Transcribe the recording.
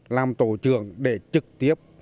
làm tổ trưởng để trực tiếp